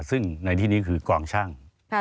ซึ่งในที่นี้คือกองช่าง